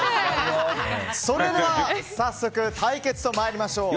それでは早速対決と参りましょう。